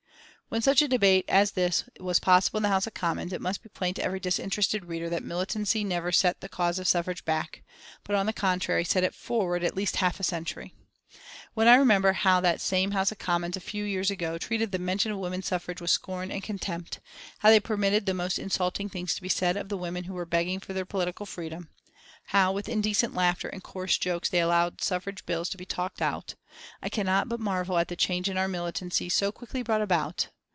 When such a debate as this was possible in the House of Commons, it must be plain to every disinterested reader that militancy never set the cause of suffrage back, but on the contrary, set it forward at least half a century. When I remember how that same House of Commons, a few years ago, treated the mention of woman suffrage with scorn and contempt, how they permitted the most insulting things to be said of the women who were begging for their political freedom, how, with indecent laughter and coarse jokes they allowed suffrage bills to be talked out, I cannot but marvel at the change our militancy so quickly brought about.